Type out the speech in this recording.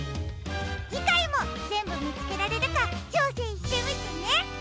じかいもぜんぶみつけられるかちょうせんしてみてね！